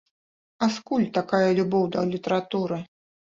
А скуль такая любоў да літаратуры?